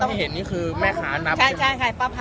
พระรัตนาอยู่ขวามือของเจ๊เกียวค่ะ